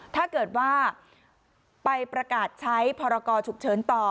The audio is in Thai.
ถ้าเกิดว่าไปประกาศใช้พรกรฉุกเฉินต่อ